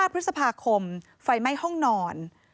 พฤษภาคมไฟไหม้ห้องนอน